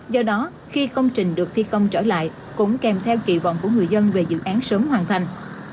do đó khi công trình được thi công trở lại cũng kèm theo kỳ vọng của người dân về dự án sớm hoàn thành